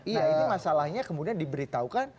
iya ini masalahnya kemudian diberitahukan